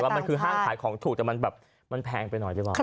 มันคือห้างขายของถูกแต่มันแบบมันแพงไปหน่อยดีกว่า